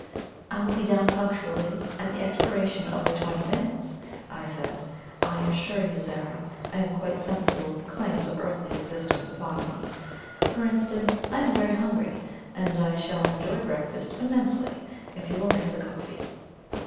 "I will be down punctually at the expiration of the twenty minutes," I said. "I assure you, Zara, I am quite sensible of the claims of earthly existence upon me. For instance, I am very hungry, and I shall enjoy breakfast immensely if you will make the coffee."